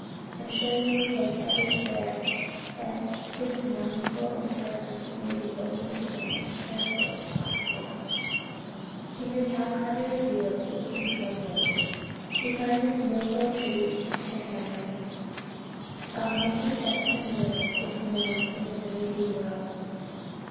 I am sure you will take every care that this mournful intelligence may be opened to him as carefully as possible." In the Calcutta Review of 1848, we find this noble tribute to her memory: "Of Mrs. Judson little is known in the noisy world.